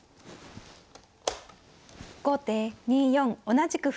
後手２四同じく歩。